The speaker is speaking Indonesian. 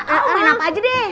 ayo main apa aja deh